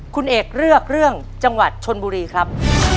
คุณเอกเลือกเรื่องจังหวัดชนบุรีครับ